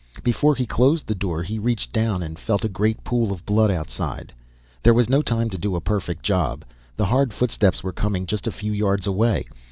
Before he closed the door he reached down and felt a great pool of blood outside. There was no time to do a perfect job, the hard footsteps were coming, just a few yards away.